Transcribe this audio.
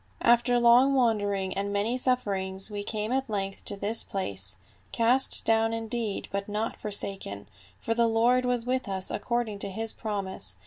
"After long wandering and many sufferings we came at length to this place, cast down indeed but not forsaken, for the Lord was with us according to his promise.